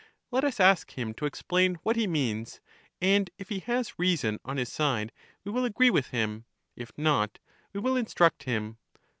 Let us ask him to explain what he means, and if he has reason on his side we will agree with him; if not, we will instruct him.